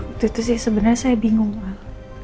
waktu itu sih sebenarnya saya bingung pak